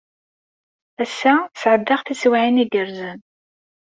Ass-a, sɛeddaɣ tiswiɛin igerrzen.